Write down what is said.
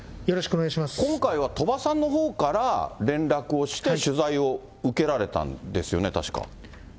今回は鳥羽さんのほうから連絡をして、取材を受けられたんですよね、確か。